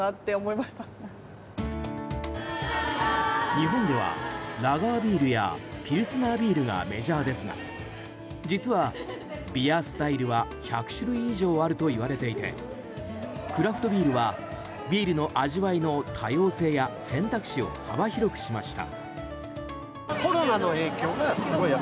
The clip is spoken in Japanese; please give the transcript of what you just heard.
日本ではラガービールやピルスナービールがメジャーですが実は、ビアスタイルは１００種類以上あるといわれていてクラフトビールはビールの味わいの多様性や選択肢を幅広くしました。